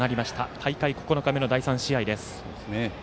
大会９日目の第３試合です。